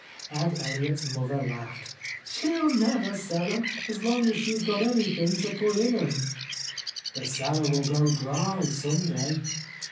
Ed Elliott's mother laughed. "She'll never sell 'em, as long as she's got anything to put in A Lost Lady "The cellar will go dry, some day."